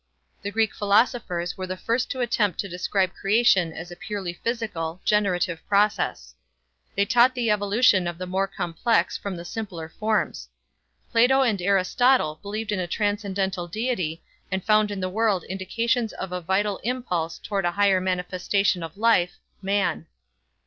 The Greek philosophers were the first to attempt to describe creation as a purely physical, generative process. They taught the evolution of the more complex from the simpler forms. Plato and Aristotle believed in a transcendental deity and found in the world indications of a vital impulse toward a higher manifestation of life man.